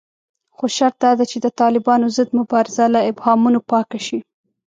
خو شرط داده چې د طالبانو ضد مبارزه له ابهامونو پاکه شي